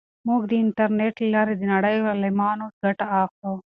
موږ د انټرنیټ له لارې د نړۍ له عالمانو ګټه اخلو.